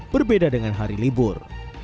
berbeda dengan hari libur